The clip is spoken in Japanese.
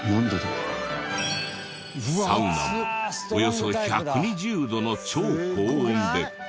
サウナはおよそ１２０度の超高温で。